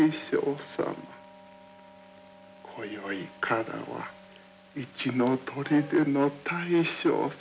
今宵からは一の砦の大将様。